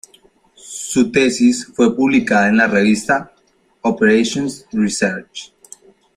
Su tesis fue publicada en la revista "Operations Research".